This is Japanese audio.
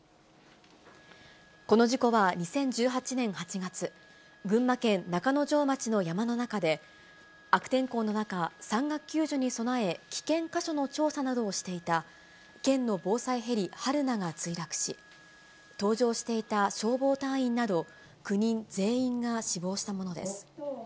この事故は２０１８年８月、群馬県中之条町の山の中で、悪天候の中、山岳救助に備え、危険箇所の調査などをしていた県の防災ヘリ、はるなが墜落し、搭乗していた消防隊員など９人全員が死亡したものです。